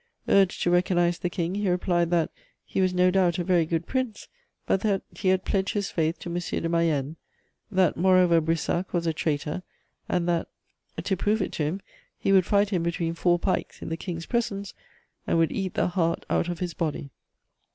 Urged to recognise the King, he replied that "he was no doubt a very good Prince, but that he had pledged his faith to M. de Mayenne; that, moreover, Brissac was a traitor, and that, to prove it to him, he would fight him between four pikes, in the King's presence, and would eat the heart out of his body."